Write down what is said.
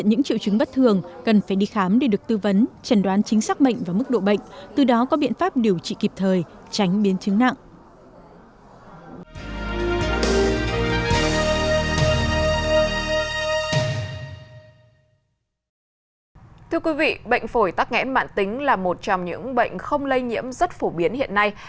thưa quý vị bệnh phổi tắc nghẽn mạng tính là một trong những bệnh không lây nhiễm rất phổ biến hiện nay